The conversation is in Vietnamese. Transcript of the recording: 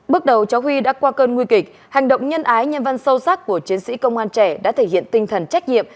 bước đầu cháu huy đã qua cơn nguy kịch hành động nhân ái nhân văn sâu sắc của chiến sĩ công an trẻ đã thể hiện tinh thần trách nhiệm